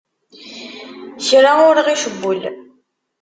Kra ur ɣ-icewwel.